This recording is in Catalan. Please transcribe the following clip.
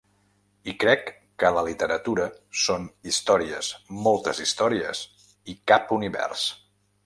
I crec que la literatura són històries, moltes històries, i cap univers.